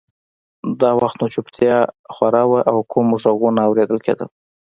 دا وخت نو چوپتیا خوره وه او کم غږونه اورېدل کېدل